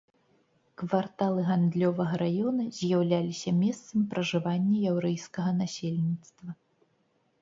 Кварталы гандлёвага раёна з'яўляліся месцам пражывання яўрэйскага насельніцтва.